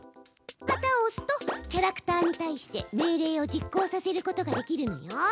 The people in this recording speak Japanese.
旗をおすとキャラクターにたいして命令を実行させることができるのよ！